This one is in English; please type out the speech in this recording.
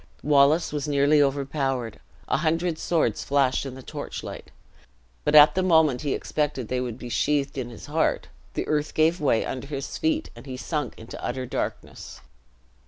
Wallace was nearly overpowered; a hundred swords flashed in the torchlight; but at the moment he expected they would be sheathed in his heart, the earth gave way under his feet, and he sunk into utter darkness.